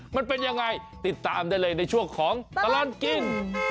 มันเป็นยังไงติดตามได้เลยในช่วงของตลอดกิน